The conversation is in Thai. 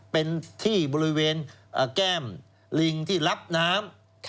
เป็นที่บริเวณแก้มลิงที่รับน้ำ